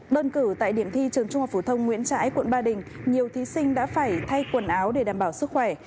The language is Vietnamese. đơn cử tại điểm thi trường trung học phổ thông nguyễn trãi quận ba đình nhiều thí sinh đã phải thay quần áo để đảm bảo sức khỏe